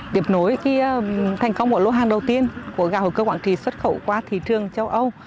tiếp nối thành công của lô hàng đầu tiên của gạo hữu cơ quảng trì xuất khẩu qua thị trường châu âu